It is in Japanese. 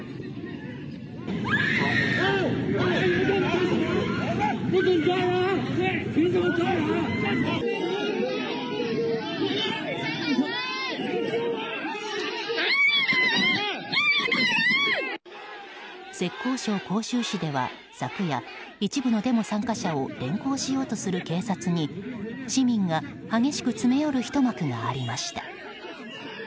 浙江省杭州市では昨夜一部のデモ参加者を連行しようとする警察に市民が激しく詰め寄るひと幕がありました。